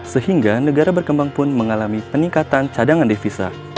sehingga negara berkembang pun mengalami peningkatan cadangan devisa